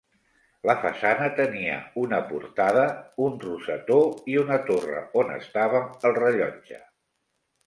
La façana tenia una portada, un rosetó i una torre on estava el rellotge.